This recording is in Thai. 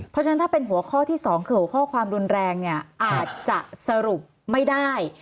พอทั้งถ้าเป็นหัวข้อที่๒หัวข้อความรุนแรงอาจจะสรุปไม่ได้